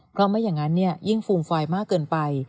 เพราะไม่อย่างนั้นยิ่งฟูมฟายมากเกินไป